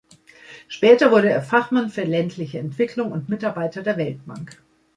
Später wurde er Fachmann für ländliche Entwicklung und Mitarbeiter der Weltbank.